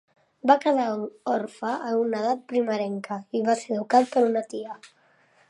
Va quedar orfe a una edat primerenca i va ser educat per una tia.